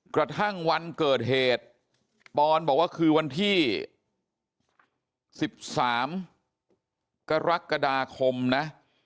กระทั่งวันเกิดเหตุปอนบอกว่าคือวันที่๑๓กรกฎาคมนะ